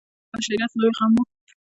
دا د بشریت لوی غم و.